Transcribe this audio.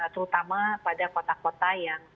terutama pada kota kota yang